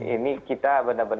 ini kita benar benar